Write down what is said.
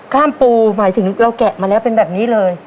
ปูหมายถึงเราแกะมาแล้วเป็นแบบนี้เลย